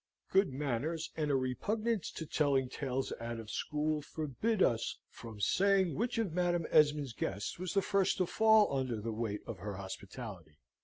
Good manners and a repugnance to telling tales out of school, forbid us from saying which of Madam Esmond's guests was the first to fall under the weight of her hospitality.